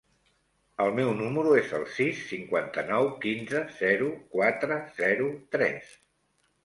El meu número es el sis, cinquanta-nou, quinze, zero, quatre, zero, tres.